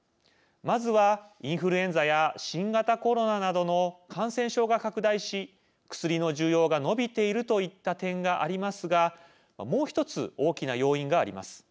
まずは、インフルエンザや新型コロナなどの感染症が拡大し薬の需要が伸びているといった点がありますがもう１つ大きな要因があります。